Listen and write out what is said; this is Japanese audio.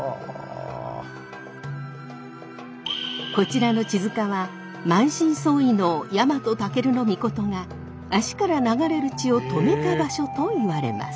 こちらの血塚は満身創痍の日本武尊が足から流れる血を止めた場所といわれます。